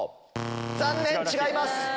残念違います。